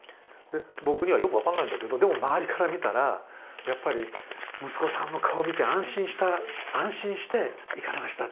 僕にはよく分かんないんだけどでも周りから見たらやっぱり「息子さんの顔を見て安心して逝かれました」